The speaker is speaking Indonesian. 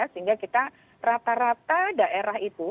sehingga kita rata rata daerah itu